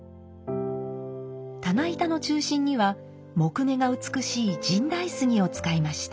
棚板の中心には木目が美しい神代杉を使いました。